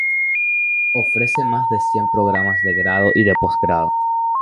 Ofrece más de cien programas de grado y de posgrado.